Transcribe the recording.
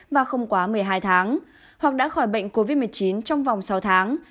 và không quá một mươi hai tháng hoặc đã khỏi bệnh covid một mươi chín trong vòng sáu tháng